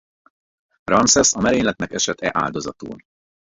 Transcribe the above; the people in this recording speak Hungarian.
Ramszesz a merényletnek esett-e áldozatul.